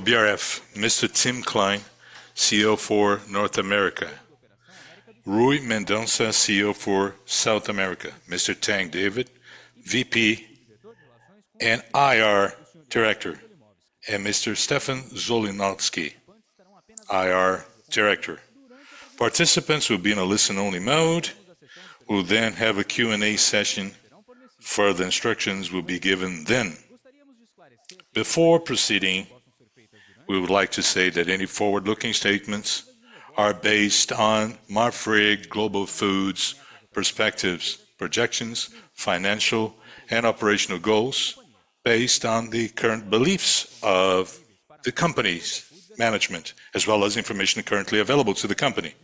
BRF, Mr. Tim Klein, CEO for North America. Ruy Mendonça, CEO for South America. Mr. Tang David, VP and IR Director. Mr. Stefan Zollinowski, IR Director. Participants will be in a listen-only mode. We'll then have a Q&A session; further instructions will be given then. Before proceeding, we would like to say that any forward-looking statements are based on Marfrig Global Foods' perspectives, projections, financial, and operational goals based on the current beliefs of the company's management, as well as information currently available to the company.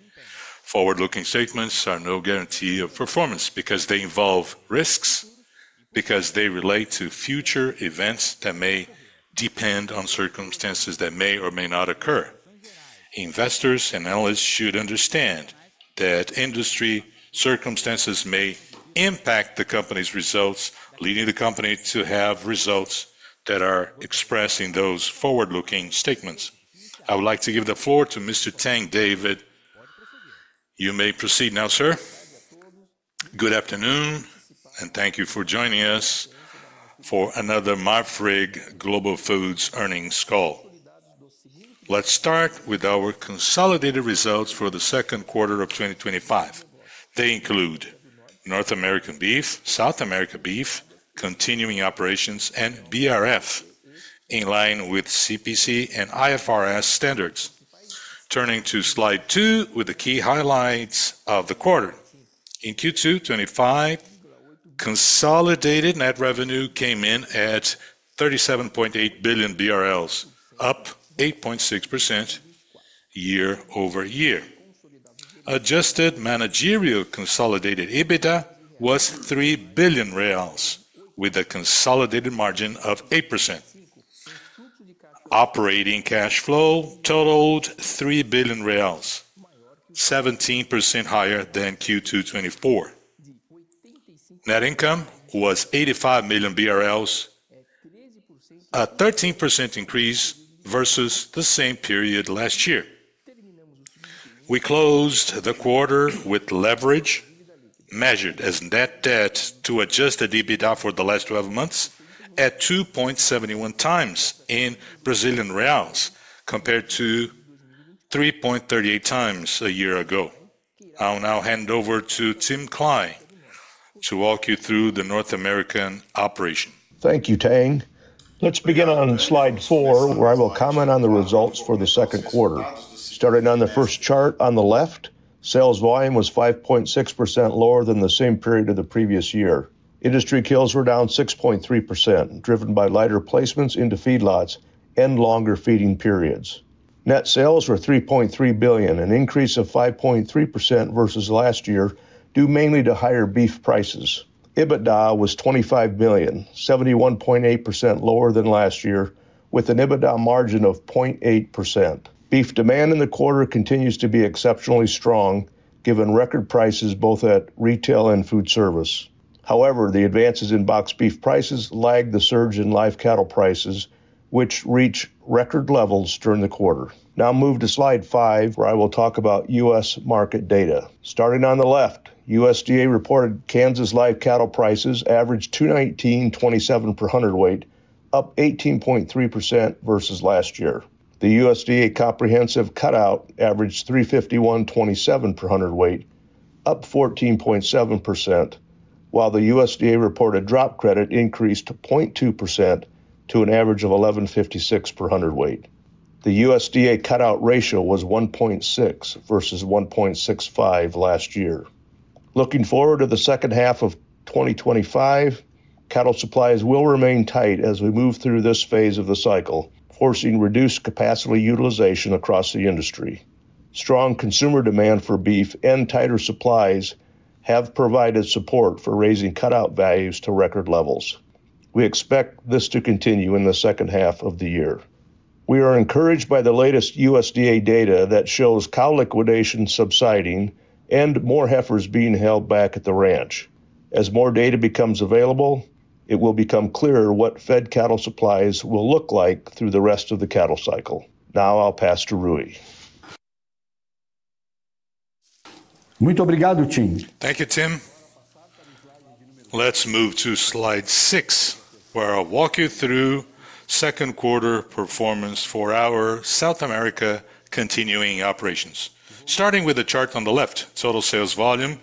Forward-looking statements are no guarantee of performance because they involve risks, as they relate to future events that may depend on circumstances that may or may not occur. Investors and analysts should understand that industry circumstances may impact the company's results, leading the company to have results that are different from those expressed in those forward-looking statements. Good afternoon, and thank you for joining us for another Marfrig Global Foods earnings call. Let's start with our consolidated results for the second quarter of 2025. They include North America beef, South America beef, continuing operations, and BRF, in line with CPC and IFRS standards. Turning to slide two with the key highlights of the quarter: In Q2 2025, consolidated net revenue came in at 37.8 billion BRL, up 8.6% year over year. Adjusted managerial consolidated EBITDA was 3 billion reais with a consolidated margin of 8%. Operating cash flow totaled 3 billion reais, 17% higher than Q2 2024. Net income was 85 million BRL, a 13% increase versus the same period last year. We closed the quarter with leverage measured as net debt to adjusted EBITDA for the last 12 months at 2.71 times in Brazilian reals compared to 3.38 times a year ago. I will now hand over to Tim Klein to walk you through the North America operation. Thank you, Tang. Let's begin on slide four where I will comment on the results for the second quarter. Starting on the first chart on the left, sales volume was 5.6% lower than the same period of the previous year. Industry kills were down 6.3%, driven by lighter placements into feedlots and longer feeding periods. Net sales were $3.3 billion, an increase of 5.3% versus last year, due mainly to higher beef prices. Adjusted EBITDA was $25 million, 71.8% lower than last year, with an EBITDA margin of 0.8%. Beef demand in the quarter continues to be exceptionally strong, given record prices both at retail and food service. However, the advances in boxed beef prices lagged the surge in live cattle prices, which reached record levels during the quarter. Now move to slide five where I will talk about U.S. market data. Starting on the left, USDA reported Kansas live cattle prices averaged $219.27 per hundredweight, up 18.3% versus last year. The USDA comprehensive cutout averaged $351.27 per hundredweight, up 14.7%, while the USDA reported drop credit increased 0.2% to an average of $11.56 per hundredweight. The USDA cutout ratio was 1.6 versus 1.65 last year. Looking forward to the second half of 2025, cattle supplies will remain tight as we move through this phase of the cycle, forcing reduced capacity utilization across the industry. Strong consumer demand for beef and tighter supplies have provided support for raising cutout values to record levels. We expect this to continue in the second half of the year. We are encouraged by the latest USDA data that shows cow liquidation subsiding and more heifers being held back at the ranch. As more data becomes available, it will become clearer what fed cattle supplies will look like through the rest of the cattle cycle. Now I'll pass to Ruy. Thank you, Tim. Let's move to slide six where I'll walk you through second quarter performance for our South America continuing operations. Starting with the chart on the left, total sales volume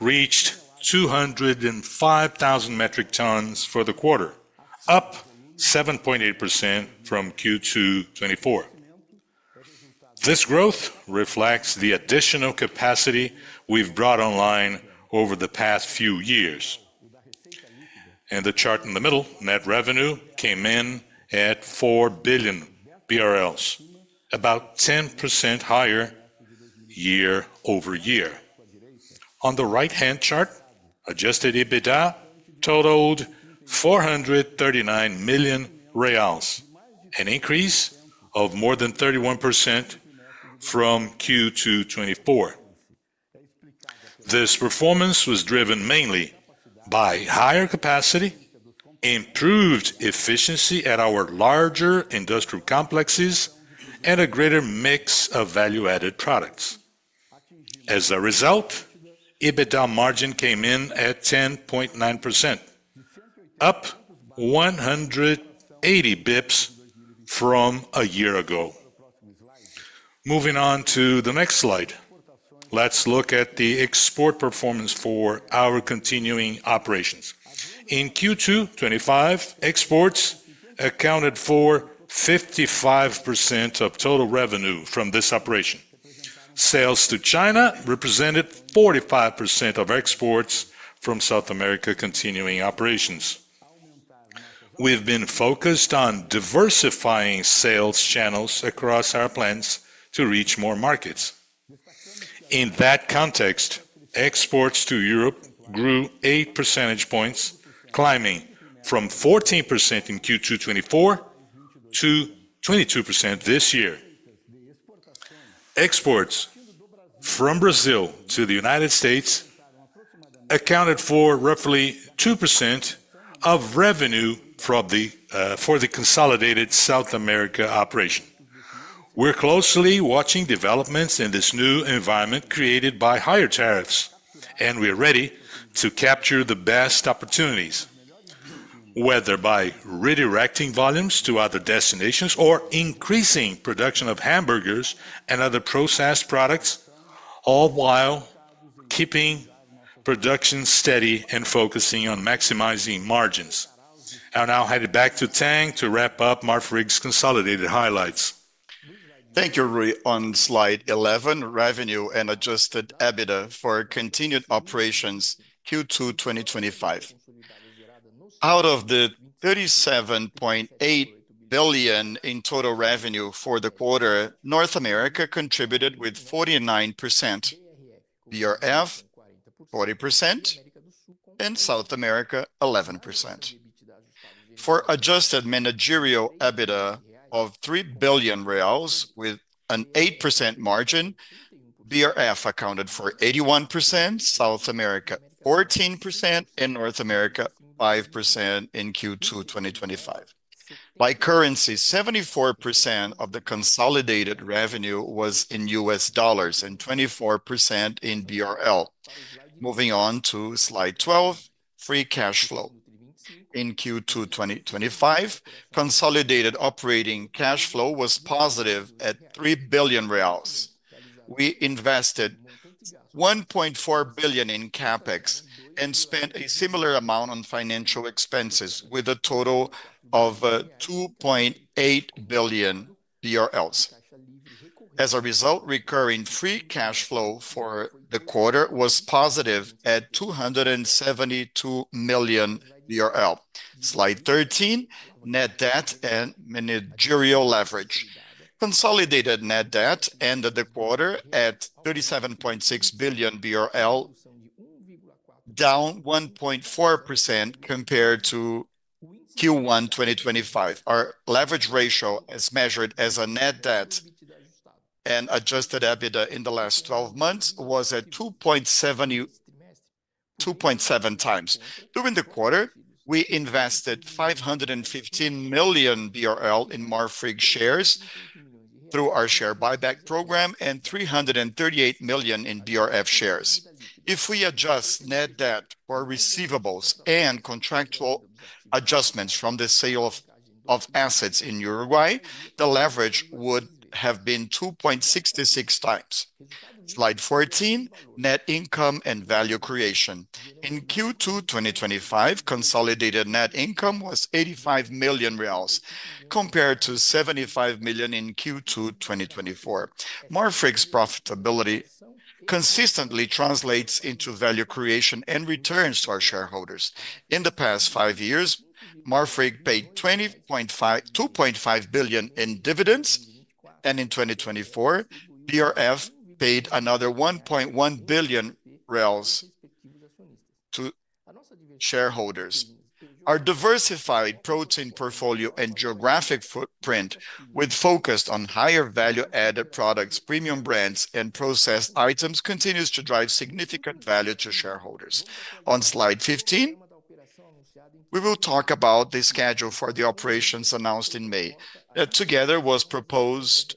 reached 205,000 metric tons for the quarter, up 7.8% from Q2 2024. This growth reflects the additional capacity we've brought online over the past few years. In the chart in the middle, net revenue came in at 4 billion BRL, about 10% higher year over year. On the right-hand chart, adjusted EBITDA totaled 439 million reais, an increase of more than 31% from Q2 2024. This performance was driven mainly by higher capacity, improved efficiency at our larger industrial complexes, and a greater mix of value-added products. As a result, EBITDA margin came in at 10.9%, up 180 bps from a year ago. Moving on to the next slide, let's look at the export performance for our continuing operations. In Q2 2025, exports accounted for 55% of total revenue from this operation. Sales to China represented 45% of exports from South America continuing operations. We've been focused on diversifying sales channels across our plants to reach more markets. In that context, exports to Europe grew 8 percentage points, climbing from 14% in Q2 2024 to 22% this year. Exports from Brazil to the United States accounted for roughly 2% of revenue for the consolidated South America operation. We're closely watching developments in this new environment created by higher tariffs, and we're ready to capture the best opportunities, whether by redirecting volumes to other destinations or increasing production of hamburgers and other processed products, all while keeping production steady and focusing on maximizing margins. I'll now hand it back to Tang to wrap up Marfrig's consolidated highlights. Thank you, Ruy. On slide 11, revenue and adjusted EBITDA for continued operations Q2 2025. Out of the $37.8 billion in total revenue for the quarter, North America contributed with 49%, BRF 40%, and South America 11%. For adjusted managerial EBITDA of 3 billion reais with an 8% margin, BRF accounted for 81%, South America 14%, and North America 5% in Q2 2025. By currency, 74% of the consolidated revenue was in U.S. dollars and 24% in BRL. Moving on to slide 12, free cash flow. In Q2 2025, consolidated operating cash flow was positive at 3 billion reais. We invested 1.4 billion in CapEx and spent a similar amount on financial expenses with a total of 2.8 billion BRL. As a result, recurring free cash flow for the quarter was positive at 272 million. Slide 13, net debt and managerial leverage. Consolidated net debt ended the quarter at 37.6 billion BRL, down 1.4% compared to Q1 2025. Our leverage ratio, as measured as net debt and adjusted EBITDA in the last 12 months, was at 2.7 times. During the quarter, we invested 515 million BRL in Marfrig shares through our share buyback program and 338 million in BRF shares. If we adjust net debt for receivables and contractual adjustments from the sale of assets in Uruguay, the leverage would have been 2.66 times. Slide 14, net income and value creation. In Q2 2025, consolidated net income was 85 million reais compared to 75 million in Q2 2024. Marfrig's profitability consistently translates into value creation and returns to our shareholders. In the past five years, Marfrig paid 2.5 billion in dividends, and in 2024, BRF paid another 1.1 billion to shareholders. Our diversified protein portfolio and geographic footprint, with focus on higher value-added products, premium brands, and processed items, continues to drive significant value to shareholders. On slide 15, we will talk about the schedule for the operations announced in May. Together, it was proposed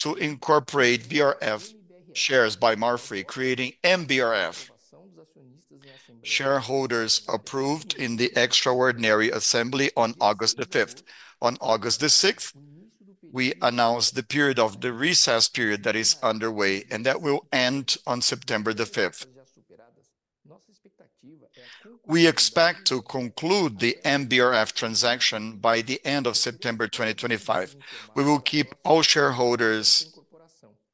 to incorporate BRF shares by Marfrig, creating MBRF shareholders approved in the extraordinary assembly on August 5. On August 6, we announced the period of the recess period that is underway and that will end on September 5. We expect to conclude the MBRF transaction by the end of September 2025. We will keep all shareholders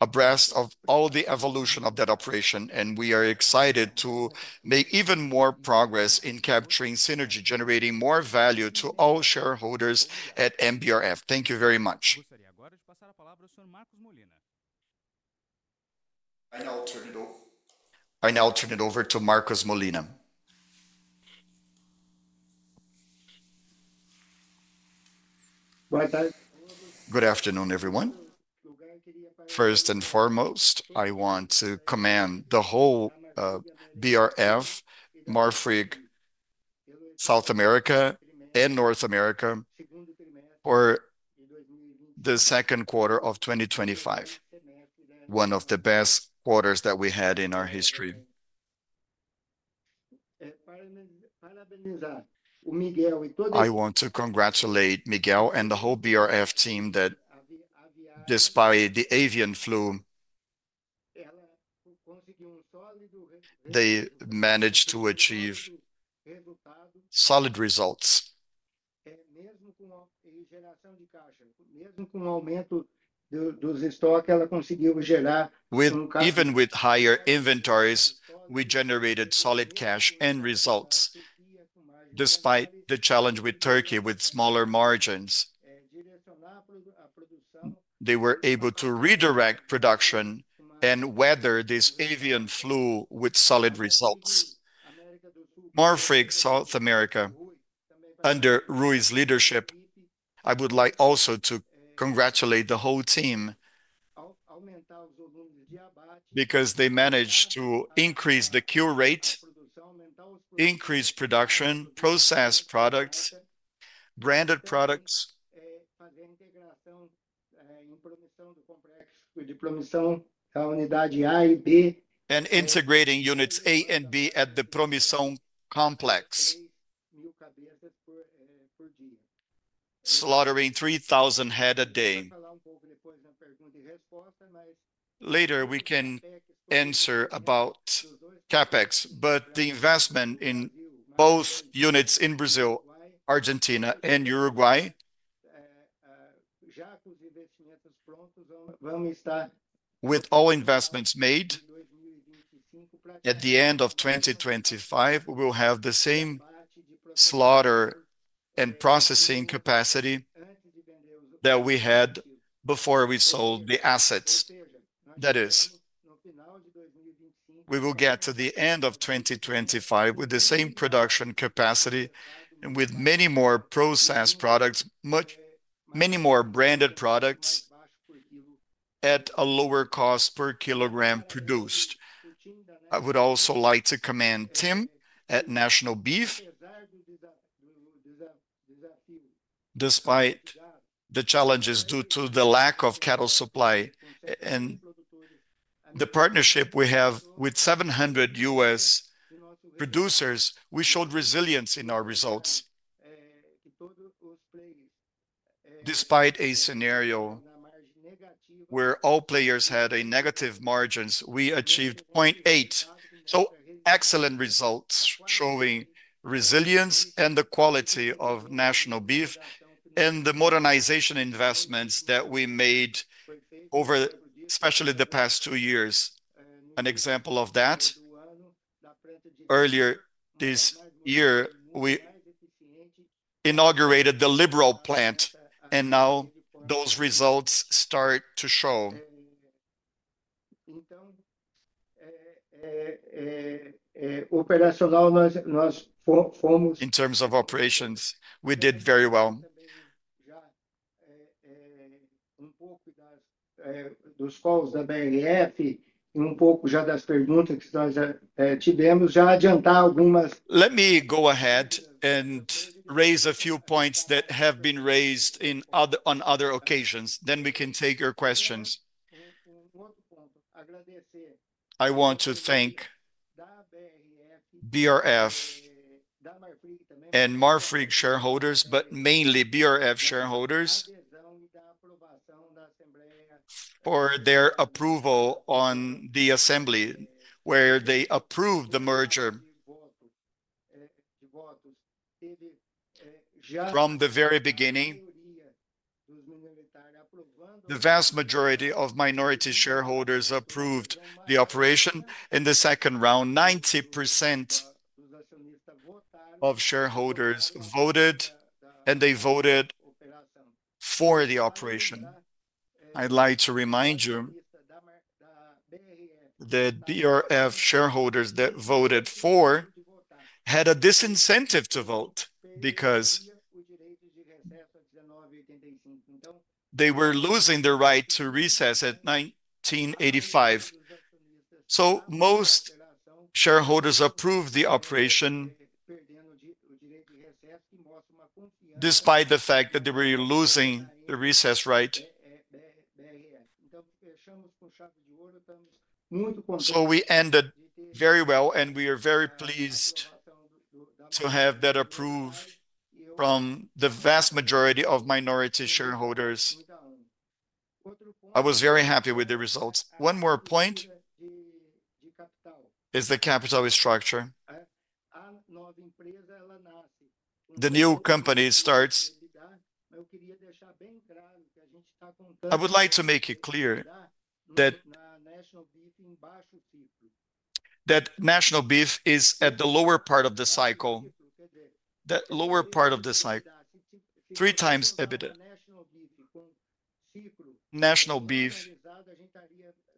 abreast of all the evolution of that operation, and we are excited to make even more progress in capturing synergy, generating more value to all shareholders at MBRF. Thank you very much. would now like to pass the word to Mr. Marcos Molina. I now turn it over to Marcos Molina. Good afternoon, everyone. First and foremost, I want to commend the whole BRF, Marfrig Global Foods, South America, and North America for the second quarter of 2025, one of the best quarters that we had in our history. Parabenizar o Miguel e todos. I want to congratulate Miguel and the whole BRF team that, despite the avian flu, Ela conseguiu sólido. They managed to achieve solid results. Even with the cash generation, even with the increase in inventories, it managed to generate cash. Even with higher inventories, we generated solid cash and results. Despite the challenge with Turkey with smaller margins, they were able to redirect production and weather this avian flu with solid results. Marfrig South America, under Ruy's leadership, I would like also to congratulate the whole team because they managed to increase the queue rate, increase production, process products, branded products. E fazer a integração em Promissão do complexo de Promissão à unidade A e B. Integrating units A and B at the Promissão complex, slaughtering 3,000 head a day. Vou falar pouco depois na pergunta e resposta. Later, we can answer about CapEx, but the investment in both units in Brazil, Argentina, and Uruguay... Já com os investimentos prontos, vamos estar... With all investments made, at the end of 2025, we'll have the same slaughter and processing capacity that we had before we sold the assets. That is, we will get to the end of 2025 with the same production capacity and with many more processed products, many more branded products at a lower cost per kilogram produced. I would also like to commend Tim Klein at National Beef. Despite the challenges due to the lack of cattle supply and the partnership we have with 700 U.S. producers, we showed resilience in our results. Despite a scenario where all players had negative margins, we achieved 0.8%. Excellent results showing resilience and the quality of National Beef and the modernization investments that we made over, especially the past two years. An example of that, earlier this year, we inaugurated the Liberal Plant, and now those results start to show. In terms of operations, we were... In terms of operations, we did very well. Pouco dos fãs da BRF, pouco já das perguntas que nós tivemos, já adiantar algumas. Let me go ahead and raise a few points that have been raised on other occasions, then we can take your questions. Agradecer. I want to thank BRF and Marfrig shareholders, but mainly BRF shareholders, for their approval on the assembly where they approved the merger. From the very beginning, the vast majority of minority shareholders approved the operation. In the second round, 90% of shareholders voted, and they voted for the operation. I'd like to remind you that BRF shareholders that voted for had a disincentive to vote because they were losing the right to recess at 1985. Most shareholders approved the operation, despite the fact that they were losing the recess right. We ended very well, and we are very pleased to have that approved from the vast majority of minority shareholders. I was very happy with the results. One more point is the capital structure. The new company starts. I would like to make it clear that National Beef is at the lower part of the cycle, three times EBITDA. National Beef,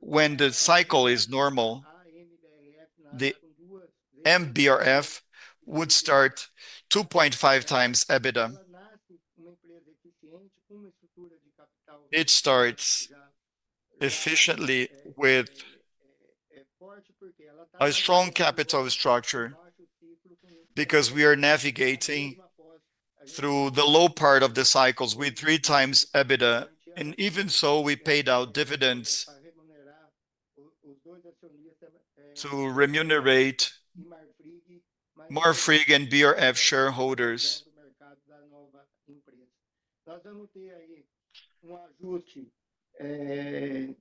when the cycle is normal, the MBRF would start 2.5 times EBITDA. It starts efficiently with a strong capital structure because we are navigating through the low part of the cycles with three times EBITDA. Even so, we paid out dividends to remunerate Marfrig and BRF shareholders. Just to note, adjustment,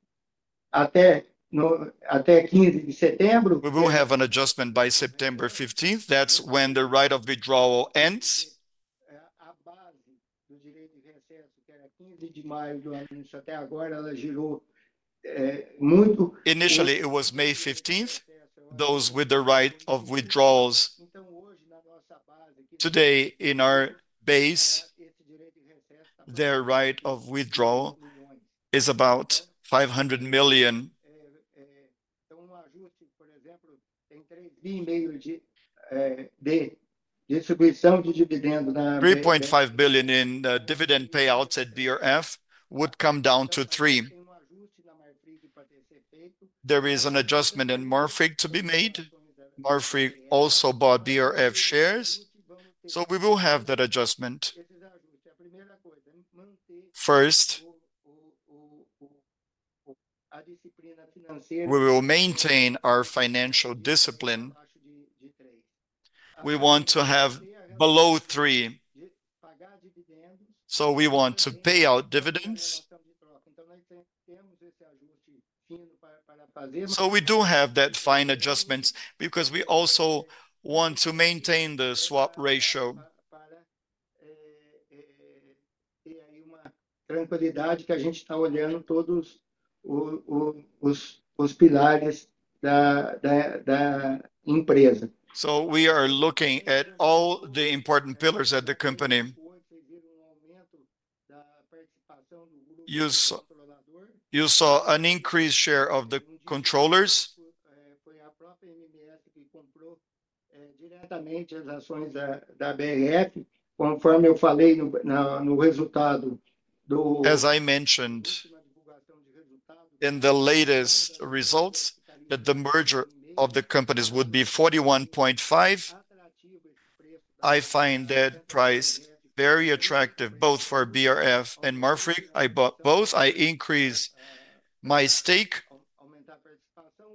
until September 15? We will have an adjustment by September 15. That's when the right of withdrawal ends. for the right of withdrawal, which was May 15 of the year, so far it has fluctuated a lot. Initially, it was May 15th, those with the right of withdrawals. Today, in our base, their right of withdrawal is about BRL 500 million. Então, ajuste, por exemplo, tem 3.5 de distribuição de dividendos na... 3.5 billion in dividend payouts at BRF would come down to three. There is an adjustment in Marfrig to be made. Marfrig also bought BRF shares. We will have that adjustment. First, we will maintain our financial discipline. We want to have below three. We want to pay out dividends. We do have that fine adjustment because we also want to maintain the swap ratio. Tranquilidade que a gente está olhando todos os pilares da empresa. We are looking at all the important pillars of the company. You saw an increased share of the controllers. BRF bought shares of BRF directly, as I mentioned in the results of the... As I mentioned, in the latest results, the merger of the companies would be 41.5. I find that price very attractive both for BRF and Marfrig. I bought both. I increased my stake. Aumentar a participação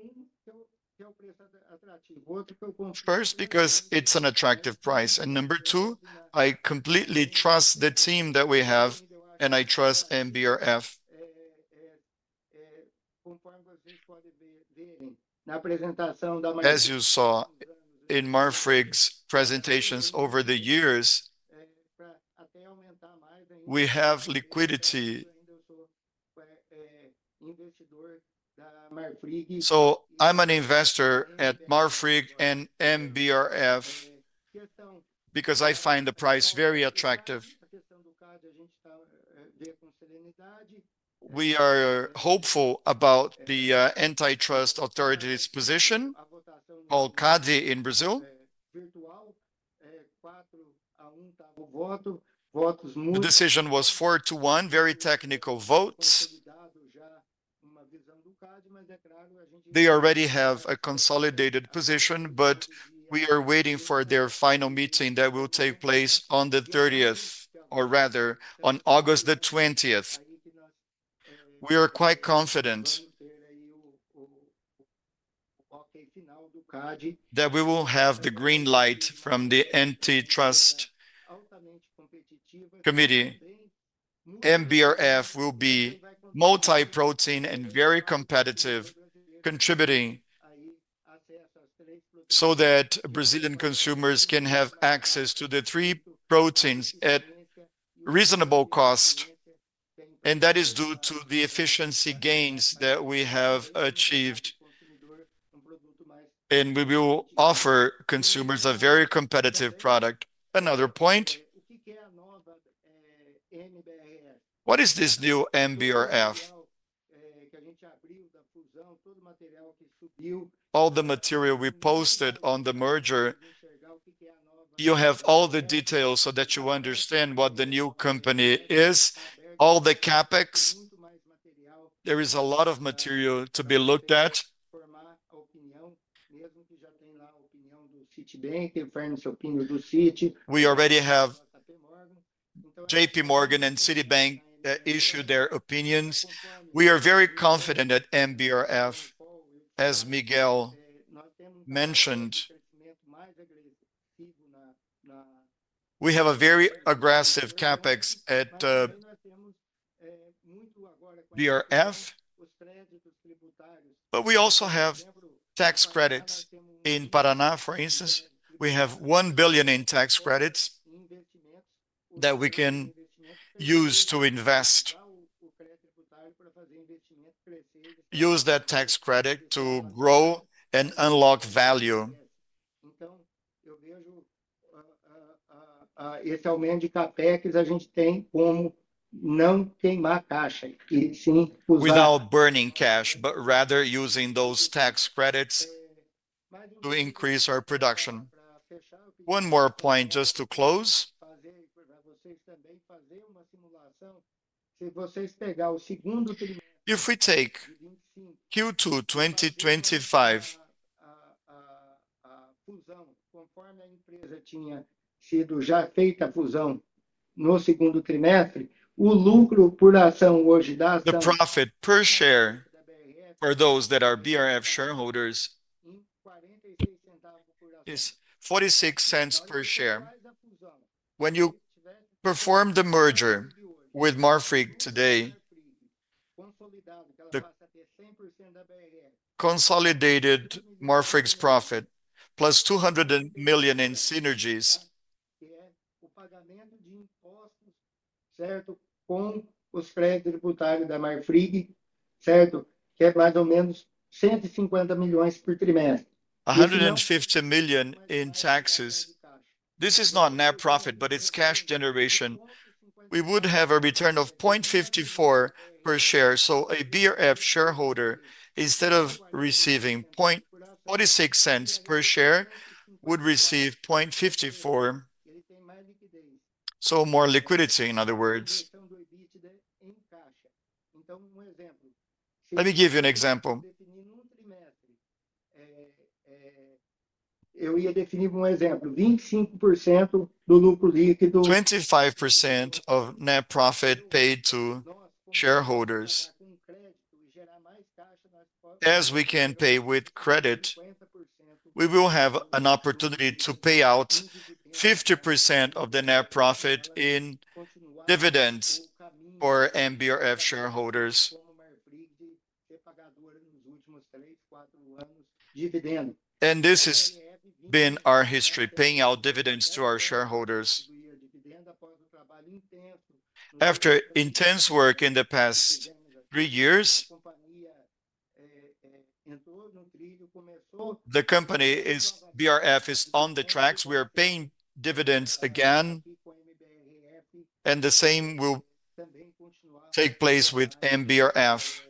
é atrativo. Outro que eu... First, because it's an attractive price. Number two, I completely trust the team that we have, and I trust MBRF. Quando a gente pode ver na apresentação da... As you saw in Marfrig's presentations over the years, we have liquidity. I'm an investor at Marfrig and MBRF because I find the price very attractive. The question of antitrust clearance we are viewing with serenity. We are hopeful about the antitrust authority's position. Call CADE in Brazil. Virtual, é 4 a 1, tá. O voto, votos muito... The decision was 4 to 1, very technical vote. Consolidado já. They already have a consolidated position, but we are waiting for their final meeting that will take place on the 30th, or rather, on August 20th. We are quite confident. Ok, final do Cade. That we will have the green light from the antitrust committee. MBRF will be multi-protein and very competitive, contributing so that Brazilian consumers can have access to the three proteins at reasonable cost. That is due to the efficiency gains that we have achieved, and we will offer consumers a very competitive product. Another point, what is this new MBRF? It is what we released about the merger, all the material that was uploaded. All the material we posted on the merger. Vou pegar o que tem lá. You have all the details so that you understand what the new company is, all the CapEx. There is a lot of material to be looked at. Opinião, mesmo que já tem lá a opinião do Citibank, infere as opiniões do Citi. We already have JP Morgan and Citibank that issued their opinions. We are very confident that MBRF, as Miguel mentioned, we have a very aggressive CapEx at BRF. We also have tax credits in Paraná, for instance. We have 1 billion in tax credits that we can use to invest. Usar o crédito do time para fazer investimento. Use that tax credit to grow and unlock value. Então, eu vejo a esse aumento de CapEx, a gente tem como não queimar caixa e sim usar. Without burning cash, but rather using those tax credits to increase our production. One more point just to close. Fazer vocês também fazer uma simulação, se vocês pegar o segundo... If we take Q2 2025. The merger, as the company had already completed the merger in the second quarter, the earnings per share today gives... The profit per share, for those that are BRF shareholders, is $0.46 per share. When you perform the merger with Marfrig today, Global Foods, consolidated, as it now holds 100% of BRF. Marfrig Global Foods' profit, plus $200 million in synergies. Pagamento de impostos, certo, com os créditos tributários da Marfrig, certo, que é mais ou menos 150 million por trimestre. $150 million in taxes. This is not net profit, but it's cash generation. We would have a return of $0.54 per share. A BRF shareholder, instead of receiving $0.46 per share, would receive $0.54. More liquidity, in other words. Em caixa. Então, exemplo. Let me give you an example. to define, for example, 25% of net income. 25% of net profit paid to shareholders. As we can pay with credit, we will have an opportunity to pay out 50% of the net profit in dividends for MBRF shareholders. Só a Marfrig ter pagado nos últimos três, quatro anos dividendos. This has been our history, paying out dividends to our shareholders. And the dividend after the intense work. After intense work in the past three years. A companhia entrou na crise, começou... The company is BRF is on the tracks. We are paying dividends again. The same will take place with MBRF.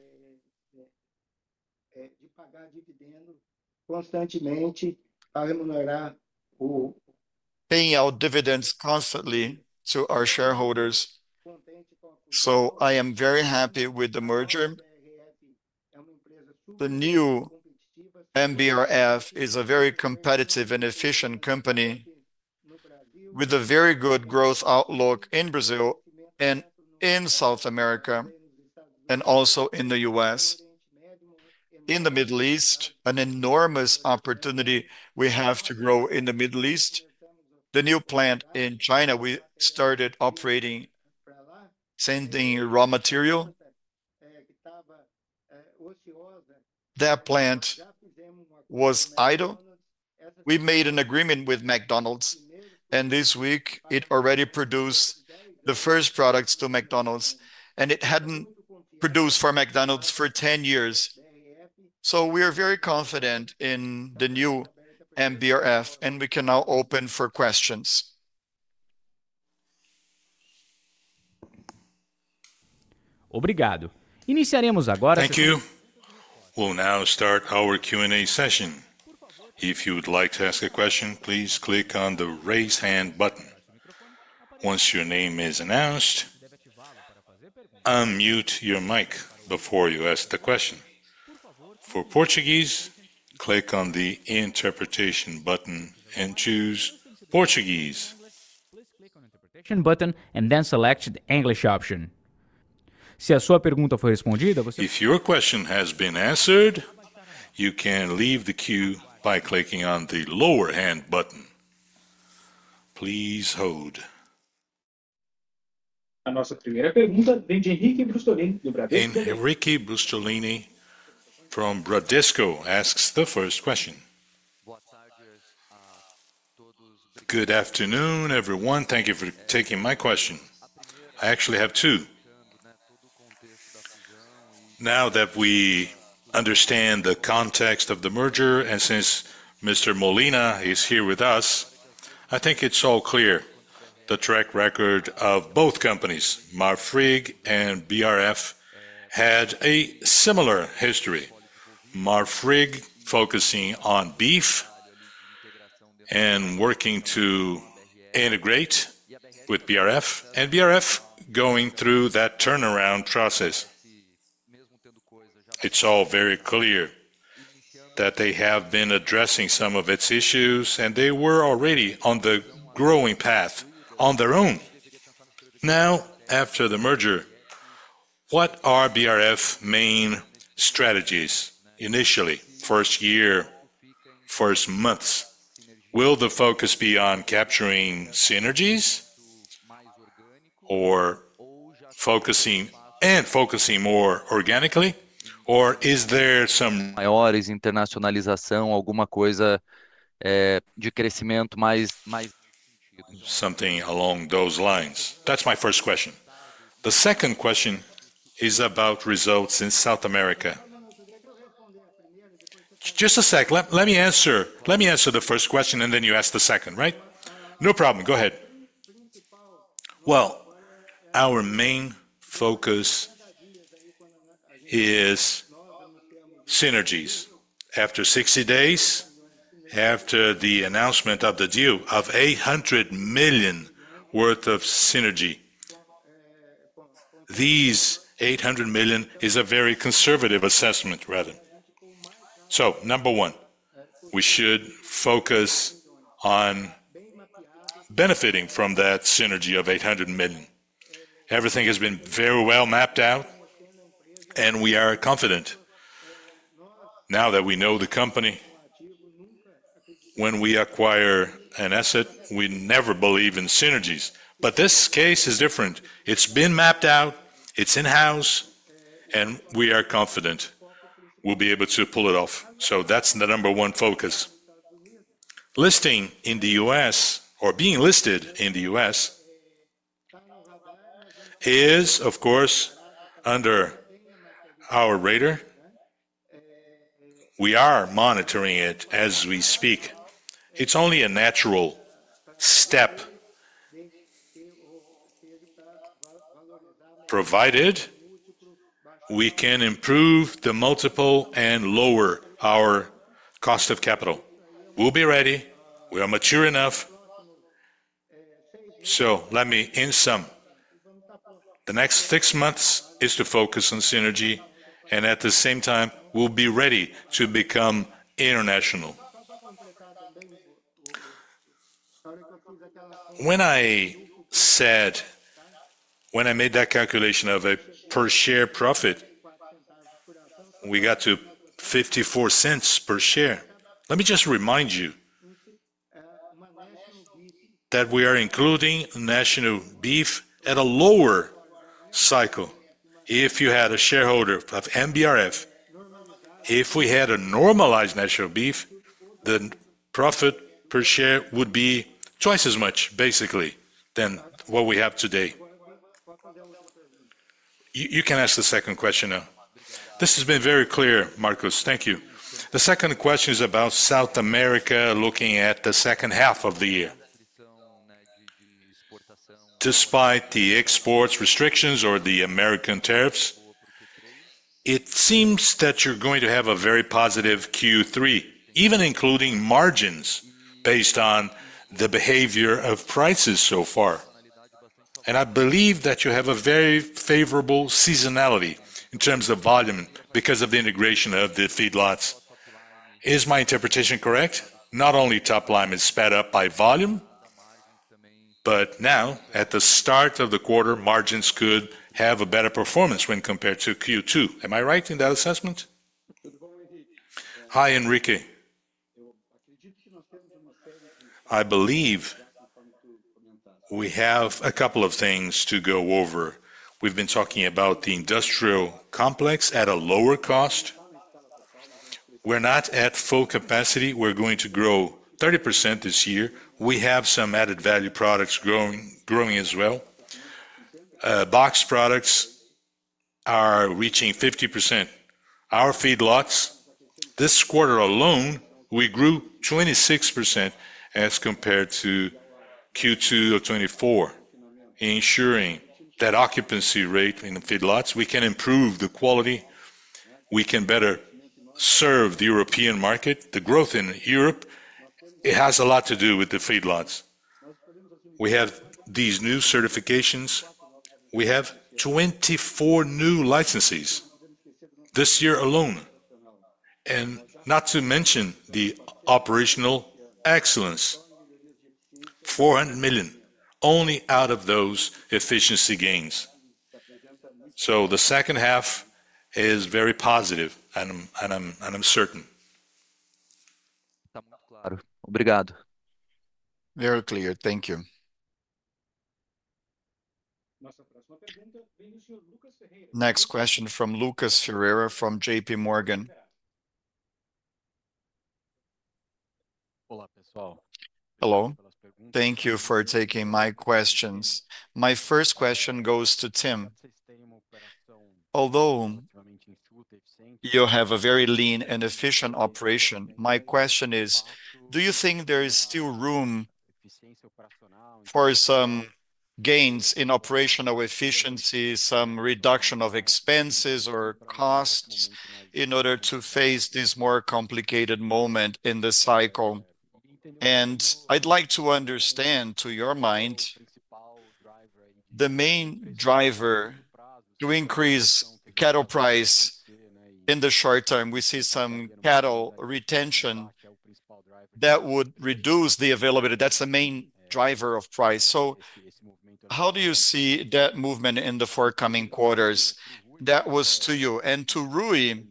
De pagar dividendos constantemente para remunerar o... Paying out dividends constantly to our shareholders, I am very happy with the merger. The new MBRF is a very competitive and efficient company with a very good growth outlook in Brazil and in South America and also in the U.S. In the Middle East, an enormous opportunity, we have to grow in the Middle East. The new plant in China, we started operating, sending raw material. That plant was idle. We made an agreement with McDonald's, and this week it already produced the first products to McDonald's, and it hadn't produced for McDonald's for 10 years. We are very confident in the new MBRF, and we can now open for questions. Obrigado. Iniciaremos agora? Thank you. We'll now start our Q&A session. If you would like to ask a question, please click on the raise hand button. Once your name is announced, unmute your mic before you ask the question. For Portuguese, click on the interpretation button and choose Portuguese. Click on the interpretation button and then select the English option. Se a sua pergunta foi respondida, você... If your question has been answered, you can leave the queue by clicking on the lower hand button. Please hold. A nossa primeira pergunta vem de Henrique R. Brustolin, do Bradesco. Henrique R. Brustolin from Bradesco asks the first question. Good afternoon, everyone. Thank you for taking my question. I actually have two. Now that we understand the context of the merger, and since Mr. Molina is here with us, I think it's all clear. The track record of both companies, Marfrig and BRF, had a similar history. Marfrig focusing on beef and working to integrate with BRF, and BRF going through that turnaround process. It's all very clear that they have been addressing some of its issues, and they were already on the growing path on their own. Now, after the merger, what are BRF's main strategies? Initially, first year, first months, will the focus be on capturing synergies and focusing more organically, or is there some Maiores internacionalização, alguma coisa de crescimento mais... Something along those lines. That's my first question. The second question is about results in South America. Just a sec, let me answer. Let me answer the first question and then you ask the second, right? No problem, go ahead. Our main focus is synergies. After 60 days, after the announcement of the deal of $800 million worth of synergy. These $800 million is a very conservative assessment, Raven. Number one, we should focus on benefiting from that synergy of $800 million. Everything has been very well mapped out, and we are confident. Now that we know the company, when we acquire an asset, we never believe in synergies. This case is different. It's been mapped out, it's in-house, and we are confident we'll be able to pull it off. That's the number one focus. Listing in the U.S., or being listed in the U.S., is, of course, under our radar. We are monitoring it as we speak. It's only a natural step, provided we can improve the multiple and lower our cost of capital. We'll be ready. We are mature enough. In sum, the next six months is to focus on synergy, and at the same time, we'll be ready to become international. When I said, when I made that calculation of a per share profit, we got to $0.54 per share. Let me just remind you that we are including National Beef at a lower cycle. If you had a shareholder of MBRF, if we had a normalized National Beef, the profit per share would be twice as much, basically, than what we have today. You can ask the second question now. This has been very clear, Marcos. Thank you. The second question is about South America looking at the second half of the year. Despite the export restrictions or the American tariffs, it seems that you're going to have a very positive Q3, even including margins based on the behavior of prices so far. I believe that you have a very favorable seasonality in terms of volume because of the integration of the feedlots. Is my interpretation correct? Not only top line is sped up by volume, but now at the start of the quarter, margins could have a better performance when compared to Q2. Am I right in that assessment? Hi, Henrique. I believe we have a couple of things to go over. We've been talking about the industrial complex at a lower cost. We're not at full capacity. We're going to grow 30% this year. We have some added value products growing as well. Box products are reaching 50%. Our feedlots, this quarter alone, we grew 26% as compared to Q2 of 2024. Ensuring that occupancy rate in the feedlots, we can improve the quality. We can better serve the European market. The growth in Europe, it has a lot to do with the feedlots. We have these new certifications. We have 24 new licenses this year alone, not to mention the operational excellence. 400 million only out of those efficiency gains. The second half is very positive, and I'm certain. Obrigado. Very clear. Thank you. next question comes in this... Next question from Lucas Ferreira from JP Morgan. Olá, pessoal. Hello. Thank you for taking my questions. My first question goes to Tim. Vocês têm uma operação... Although you have a very lean and efficient operation, my question is, do you think there is still room for some gains in operational efficiency, some reduction of expenses or costs in order to face this more complicated moment in the cycle? I'd like to understand, to your mind, the main driver to increase cattle price in the short term. We see some cattle retention that would reduce the availability. That's the main driver of price. How do you see that movement in the forthcoming quarters? That was to you. To Ruy,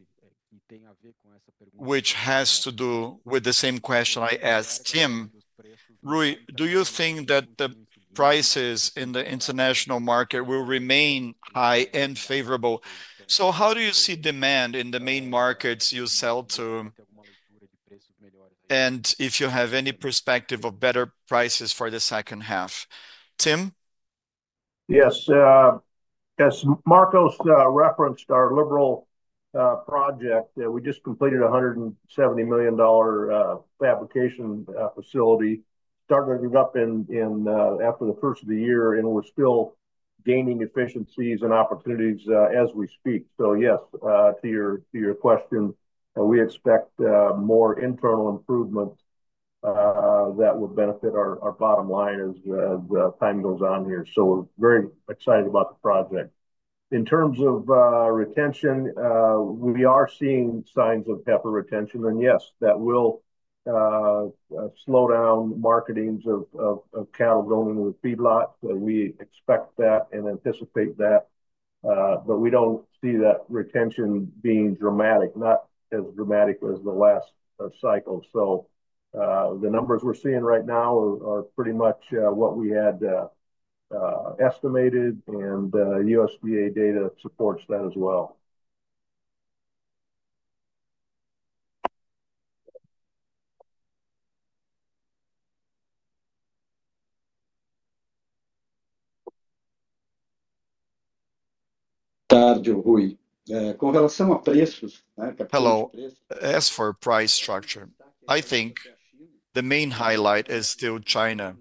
which has to do with the same question I asked Tim. Ruy, do you think that the prices in the international market will remain high and favorable? How do you see demand in the main markets you sell to? If you have any perspective of better prices for the second half. Tim? Yes. As Marcos referenced, our Liberal project, we just completed a $170 million fabrication facility. Started it up after the first of the year, and we're still gaining efficiencies and opportunities as we speak. Yes, to your question, we expect more internal improvements that will benefit our bottom line as time goes on here. We are very excited about the project. In terms of retention, we are seeing signs of heifer retention. Yes, that will slow down marketings of cattle going into the feedlot. We expect that and anticipate that. We don't see that retention being dramatic, not as dramatic as the last cycle. The numbers we're seeing right now are pretty much what we had estimated, and USDA data supports that as well. Obrigado, Ruy. Com relação a preços, para falar... As for price structure, I think the main highlight is still China.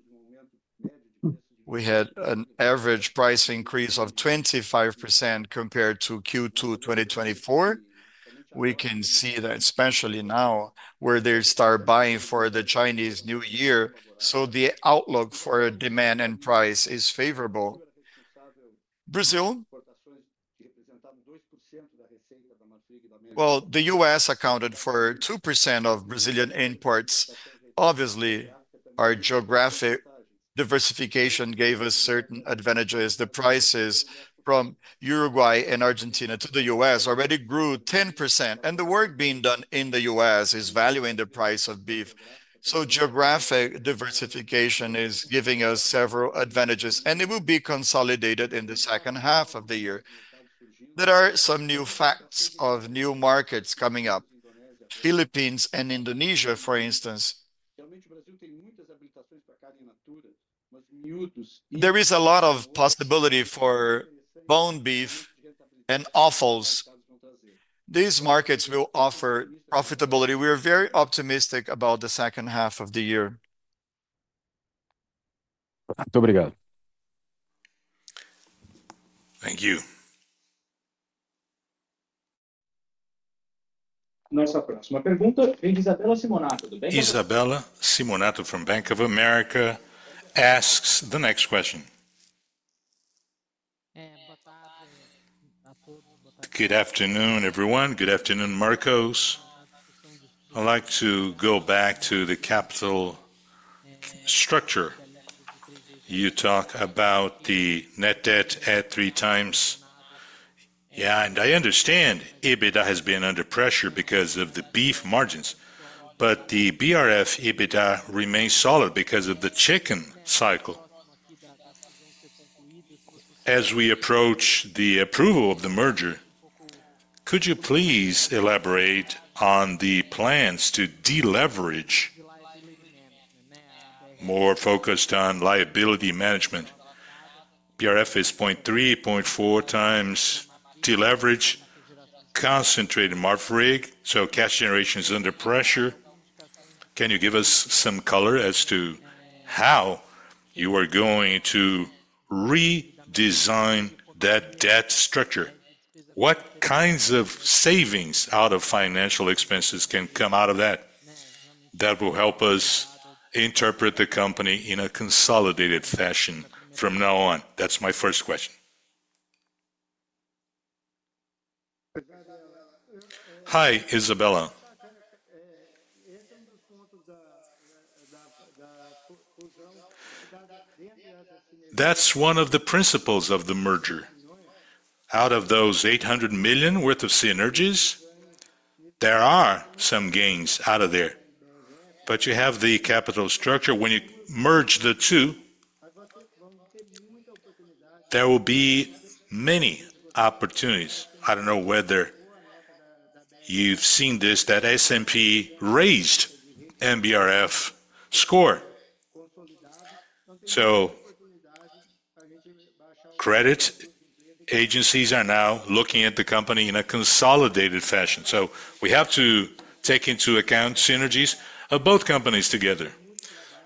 We had an average price increase of 25% compared to Q2 2024. We can see that especially now where they start buying for the Chinese New Year. The outlook for demand and price is favorable. Brasil? The U.S. accounted for 2% of Brazilian imports. Obviously, our geographic diversification gave us certain advantages. The prices from Uruguay and Argentina to the U.S. already grew 10%, and the work being done in the U.S. is valuing the price of beef. Geographic diversification is giving us several advantages, and it will be consolidated in the second half of the year. There are some new facts of new markets coming up. Philippines and Indonesia, for instance. There is a lot of possibility for bone beef and offals. These markets will offer profitability. We are very optimistic about the second half of the year. Muito obrigado. Thank you. Our next question comes from... Isabella Simonato from Bank of America asks the next question. Good afternoon, everyone. Good afternoon, Marcos. I'd like to go back to the capital structure. You talk about the net debt at 3 times. Yeah, and I understand EBITDA has been under pressure because of the beef margins. The BRF EBITDA remains solid because of the chicken cycle. As we approach the approval of the merger, could you please elaborate on the plans to deleverage? More focused on liability management. BRF is 0.3, 0.4 times deleverage, concentrated Marfrig, so cash generation is under pressure. Can you give us some color as to how you are going to redesign that debt structure? What kinds of savings out of financial expenses can come out of that? That will help us interpret the company in a consolidated fashion from now on. That's my first question. Hi, Isabella. Então, dos fundos da fusão... That's one of the principles of the merger. Out of those 800 million worth of synergies, there are some gains out of there. You have the capital structure. When you merge the two, there will be many opportunities. I don't know whether you've seen this, that S&P raised MBRF score. Credit agencies are now looking at the company in a consolidated fashion. We have to take into account synergies of both companies together.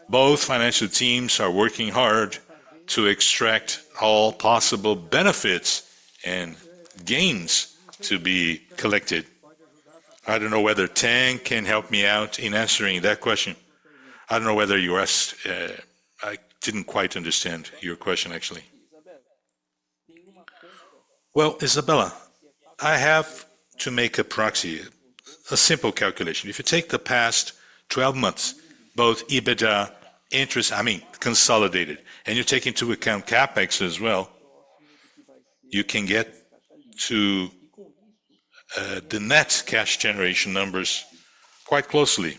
Both financial teams are working hard to extract all possible benefits and gains to be collected. I don't know whether Tang can help me out in answering that question. I don't know whether you asked, I didn't quite understand your question, actually. Isabella, I have to make a proxy, a simple calculation. If you take the past 12 months, both EBITDA, interest, I mean, consolidated, and you take into account CapEx as well, you can get to the net cash generation numbers quite closely.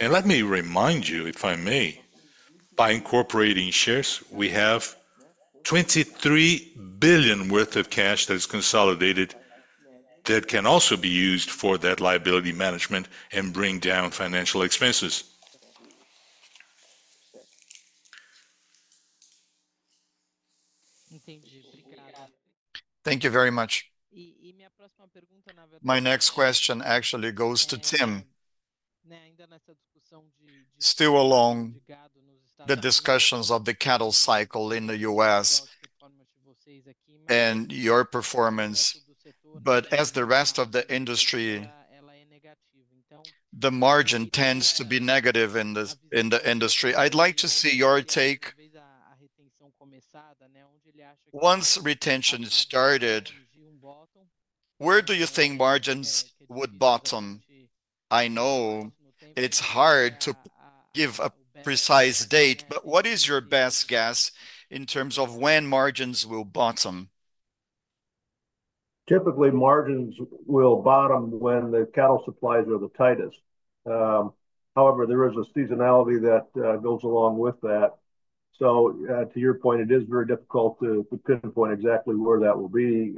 Let me remind you, if I may, by incorporating shares, we have 23 billion worth of cash that is consolidated that can also be used for that liability management and bring down financial expenses. Entendi, obrigado. Thank you very much. E minha próxima pergunta, na verdade... My next question actually goes to Tim. Ainda nessa discussão de... Still along the discussions of the cattle cycle in the U.S. and your performance, as the rest of the industry, the margin tends to be negative in the industry. I'd like to see your take. Onde ele acha que... Once retention started, where do you think margins would bottom? I know it's hard to give a precise date, but what is your best guess in terms of when margins will bottom? Typically, margins will bottom when the cattle supplies are the tightest. However, there is a seasonality that goes along with that. To your point, it is very difficult to pinpoint exactly where that will be.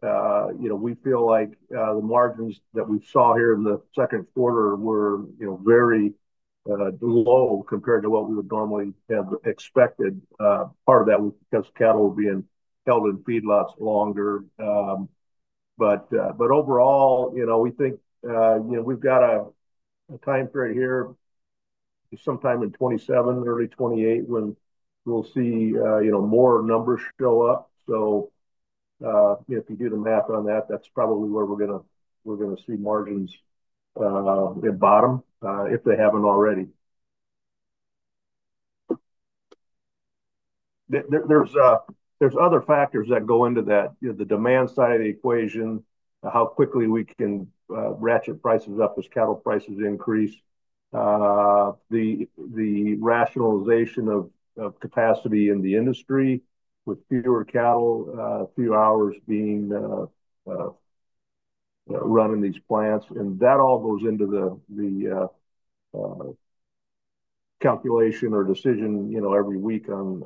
We feel like the margins that we saw here in the second quarter were very low compared to what we would normally have expected. Part of that was because cattle were being held in feedlots longer. Overall, we think we've got a time period here, sometime in 2027, early 2028, when we'll see more numbers show up. If you do the math on that, that's probably where we're going to see margins at bottom if they haven't already. There are other factors that go into that. The demand side of the equation, how quickly we can ratchet prices up as cattle prices increase. The rationalization of capacity in the industry with fewer cattle, few hours being run in these plants. That all goes into the calculation or decision every week on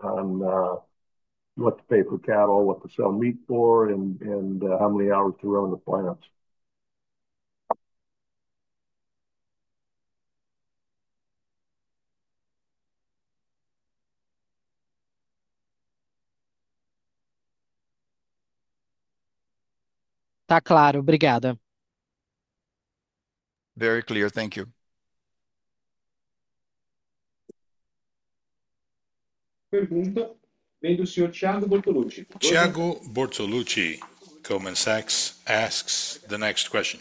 what to pay for cattle, what to sell meat for, and how many hours to run the plants. clear, thank you. Very clear. Thank you. Pergunto. Vem do senhor Thiago A. Bortoluci. Thiago A. Bortoluci, commence asks the next question.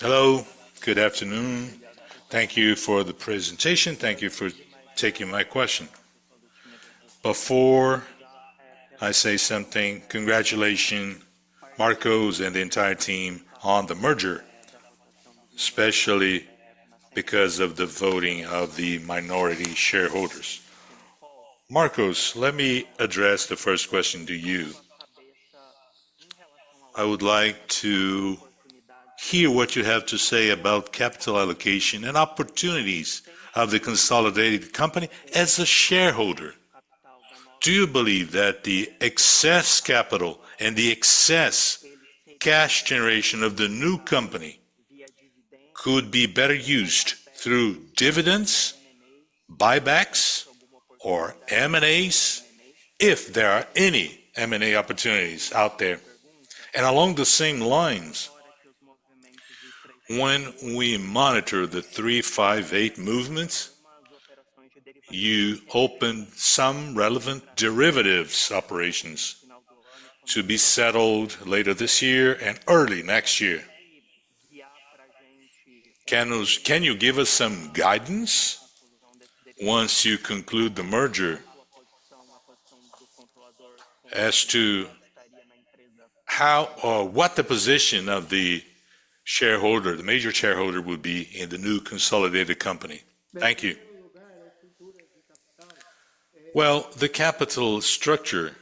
Hello, good afternoon. Thank you for the presentation. Thank you for taking my question. Before I say something, congratulations, Marcos and the entire team on the merger, especially because of the voting of the minority shareholders. Marcos, let me address the first question to you. I would like to hear what you have to say about capital allocation and opportunities of the consolidated company as a shareholder. Do you believe that the excess capital and the excess cash generation of the new company could be better used through dividends, buybacks, or M&As, if there are any M&A opportunities out there? Along the same lines, when we monitor the 358 movements, you opened some relevant derivatives operations to be settled later this year and early next year. Can you give us some guidance once you conclude the merger as to how or what the position of the shareholder, the major shareholder, would be in the new consolidated company? Thank you. The capital structure.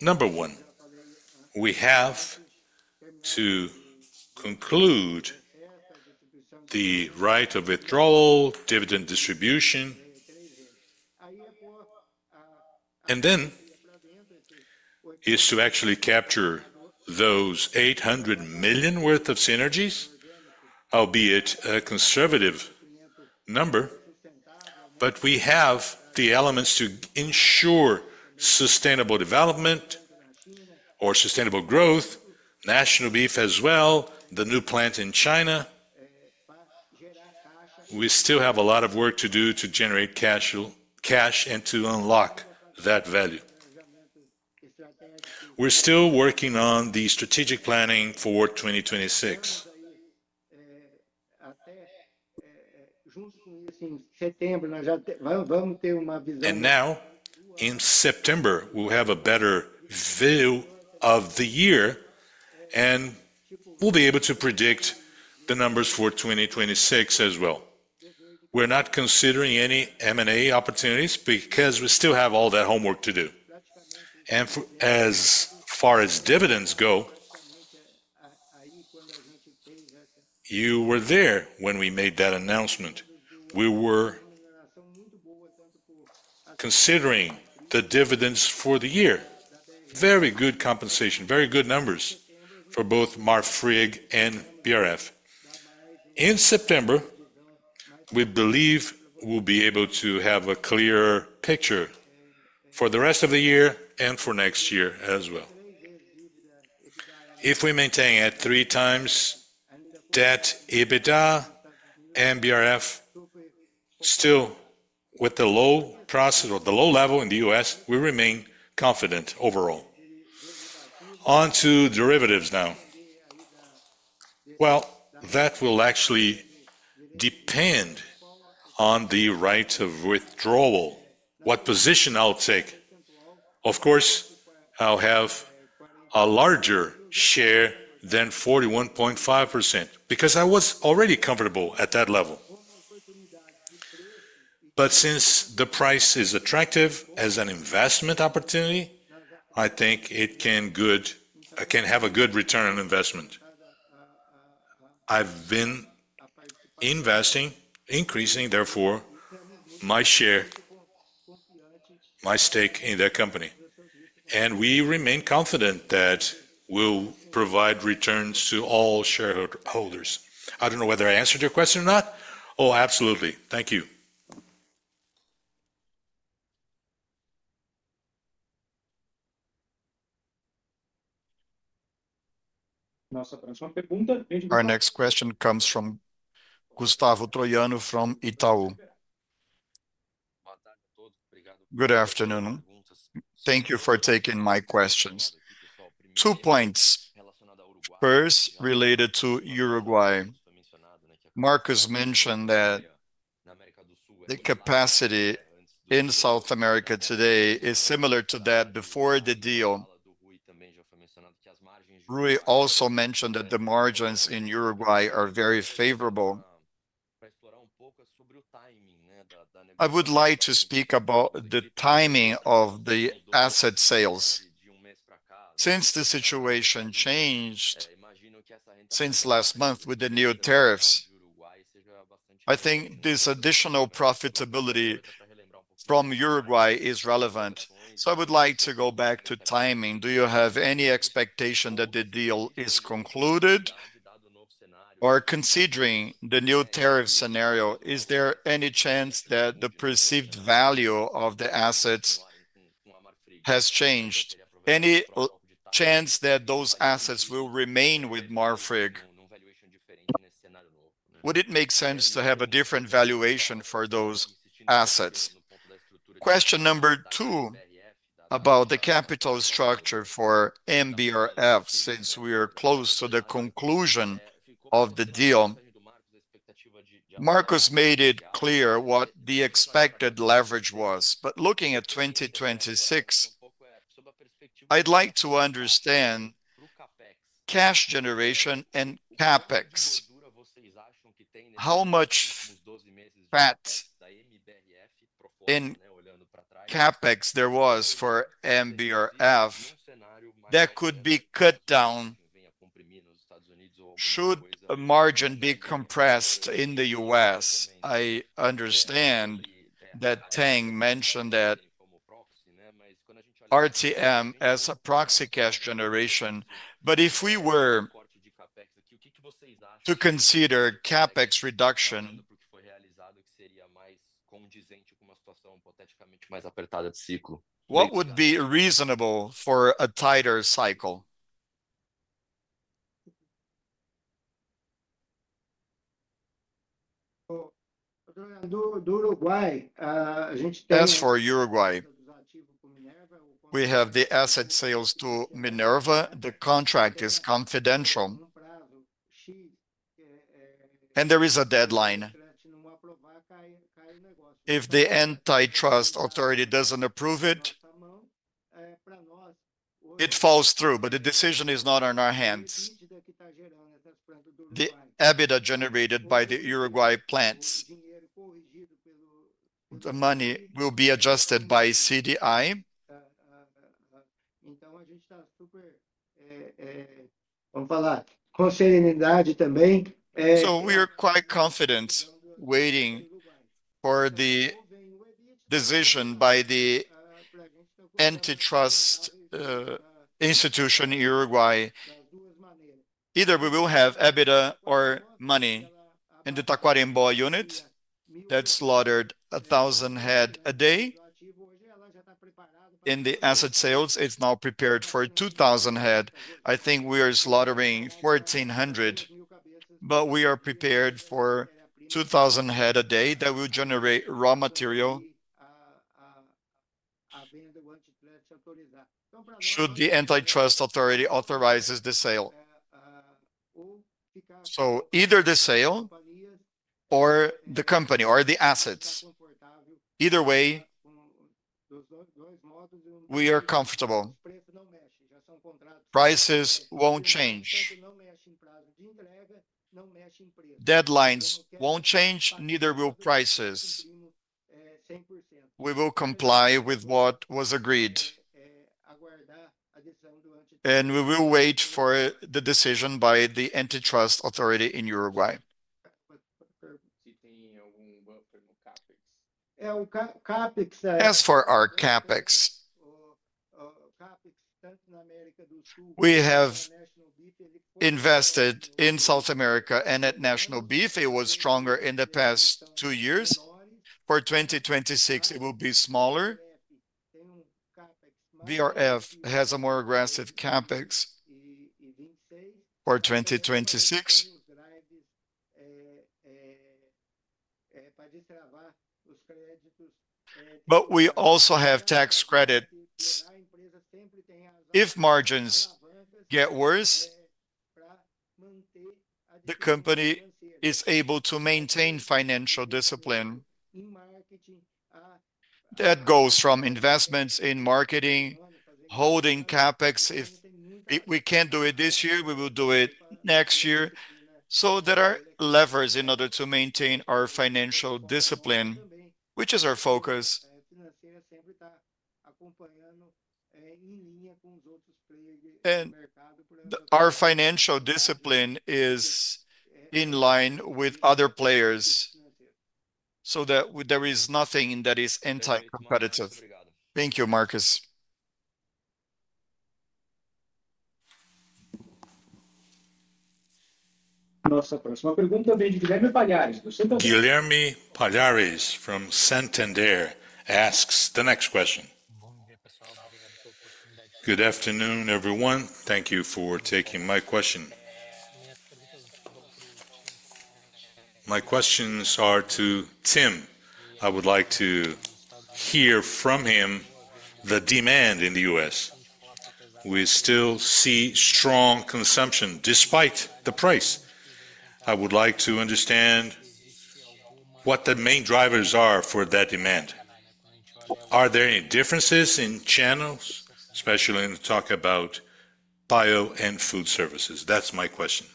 Number one, we have to conclude the right of withdrawal, dividend distribution, and then is to actually capture those $800 million worth of synergies, albeit a conservative number. We have the elements to ensure sustainable development or sustainable growth, National Beef as well, the new plant in China. We still have a lot of work to do to generate cash and to unlock that value. We're still working on the strategic planning for 2026. In September, we'll have a better view of the year, and we'll be able to predict the numbers for 2026 as well. We're not considering any M&A opportunities because we still have all that homework to do. As far as dividends go, you were there when we made that announcement. We were considering the dividends for the year. Very good compensation, very good numbers for both Marfrig and BRF. In September, we believe we'll be able to have a clear picture for the rest of the year and for next year as well. If we maintain at three times net debt/EBITDA and BRF, still with the low level in the U.S., we remain confident overall. Onto derivatives now. That will actually depend on the right of withdrawal, what position I'll take. Of course, I'll have a larger share than 41.5% because I was already comfortable at that level. Since the price is attractive as an investment opportunity, I think it can have a good return on investment. I've been investing, increasing, therefore, my share, my stake in that company. We remain confident that we'll provide returns to all shareholders. I don't know whether I answered your question or not. Oh, absolutely. Thank you. Our next question comes from Marcelo. Our next question comes from Gustavo Troyano from Itaú. Good afternoon. Thank you for taking my questions. Two points. First, related to Uruguay. Marcos mentioned that the capacity in South America today is similar to that before the deal. Ruy also already mentioned that the margins... Ruy Mendonça also mentioned that the margins in Uruguay are very favorable. Para explorar pouco sobre o timing da... I would like to speak about the timing of the asset sales. De mês para cá... Since the situation changed, since last month with the new tariffs, I think this additional profitability from Uruguay is relevant. I would like to go back to timing. Do you have any expectation that the deal is concluded? Considering the new tariff scenario, is there any chance that the perceived value of the assets has changed? Any chance that those assets will remain with Marfrig? Would it make sense to have a different valuation for those assets? Question number two about the capital structure for MBRF, since we are close to the conclusion of the deal. Marcos made it clear what the expected leverage was. Looking at 2026, I'd like to understand cash generation and CapEx. do you think is in this path of the MBRF? In capex, there was for MBRF that could be cut down. Should a margin be compressed in the U.S.? I understand that Tang mentioned that RTM as a proxy cash generation. If we were... O corte de capex, o que vocês acham? To consider CapEx reduction. No futuro realizado, que seria mais condizente com uma situação hipoteticamente mais apertada de ciclo. What would be reasonable for a tighter cycle? From Uruguay, we have... As for Uruguay, we have the asset sales to Minerva. The contract is confidential, and there is a deadline. If the antitrust authority doesn't approve it, it falls through. The decision is not in our hands. The EBITDA generated by the Uruguay plants, the money will be adjusted by CDI. Então, a gente está super. Vamos falar com serenidade também. We are quite confident waiting for the decision by the antitrust institution in Uruguay. Either we will have EBITDA or money. In the Taquarembó unit, that's slaughtered 1,000 head a day. In the asset sales, it's now prepared for 2,000 head. I think we are slaughtering 1,400. We are prepared for 2,000 head a day that will generate raw material. Should the antitrust authority authorize the sale, either the sale or the company or the assets, either way, we are comfortable. Prices won't change. Deadlines won't change, neither will prices. We will comply with what was agreed. We will wait for the decision by the antitrust authority in Uruguay. As for our CapEx, we have invested in South America and at National Beef. It was stronger in the past two years. For 2026, it will be smaller. BRF has a more aggressive CapEx for 2026. We also have tax credit. If margins get worse, the company is able to maintain financial discipline. That goes from investments in marketing, holding CapEx. If we can't do it this year, we will do it next year. There are levers in order to maintain our financial discipline, which is our focus. Our financial discipline is in line with other players so that there is nothing that is anti-competitive. Thank you, Marcos. Nossa próxima pergunta vem de Guilherme Palhares. Guilherme Palhares from Santander asks the next question. Good afternoon, everyone. Thank you for taking my question. My questions are to Tim. I would like to hear from him the demand in the U.S. We still see strong consumption despite the price. I would like to understand what the main drivers are for that demand. Are there any differences in channels, especially in the talk about beef and food services? That's my question.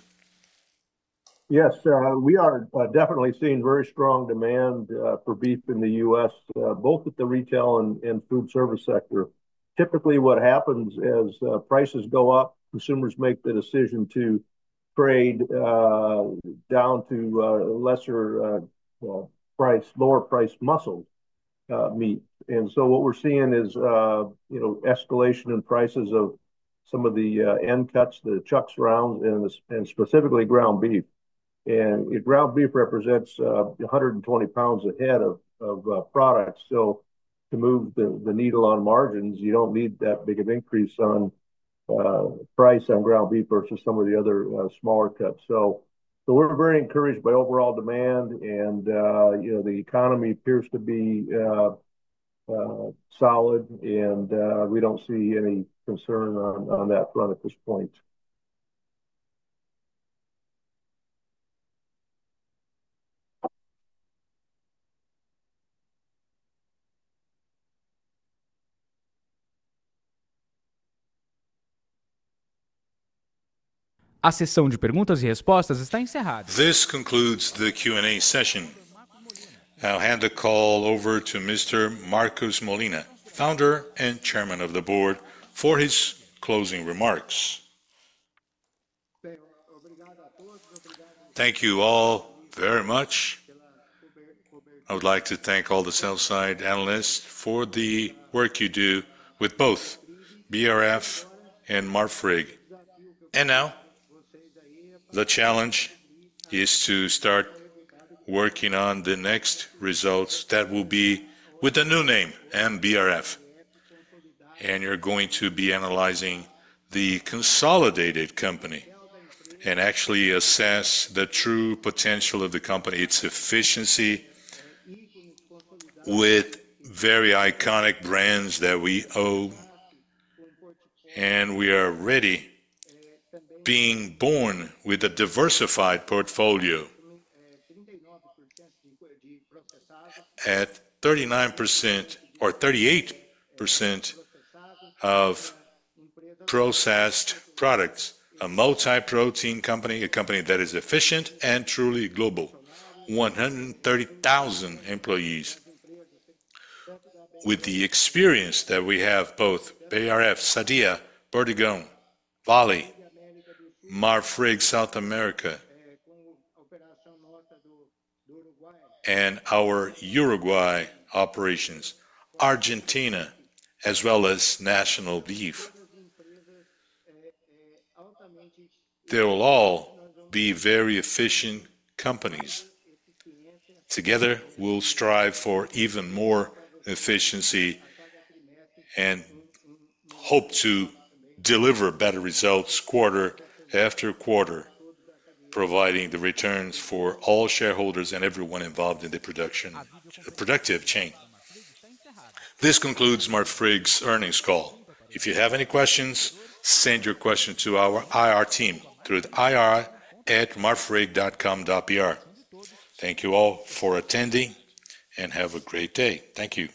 Yes, sir. We are definitely seeing very strong demand for beef in the U.S., both at the retail and food service sector. Typically, what happens is prices go up. Consumers make the decision to trade down to lesser, lower price muscle meat. What we're seeing is escalation in prices of some of the end cuts, the chucks, round, and specifically ground beef. Ground beef represents 120 pounds a head of products. To move the needle on margins, you don't need that big of an increase on price on ground beef versus some of the other smaller cuts. We are very encouraged by overall demand, and the economy appears to be solid, and we don't see any concern on that front at this point. The question and answer session is now closed. This concludes the Q&A session. I'll hand the call over to Mr. Marcos Molina, Founder and Chairman of the Board, for his closing remarks. Thank you all very much. I would like to thank all the South Side analysts for the work you do with both BRF and Marfrig. Now, the challenge is to start working on the next results that will be with a new name and BRF. You're going to be analyzing the consolidated company and actually assess the true potential of the company, its efficiency, with very iconic brands that we own. We are already being born with a diversified portfolio at 39% or 38% of processed products, a multi-protein company, a company that is efficient and truly global, 130,000 employees, with the experience that we have both BRF, Sadia, Verdigão, Bali, Marfrig, South America, and our Uruguay operations, Argentina, as well as National Beef. They will all be very efficient companies. Together, we'll strive for even more efficiency and hope to deliver better results quarter after quarter, providing the returns for all shareholders and everyone involved in the productive chain. This concludes Marfrig's earnings call. If you have any questions, send your questions to our IR team through ir@marfrig.com.br. Thank you all for attending and have a great day. Thank you.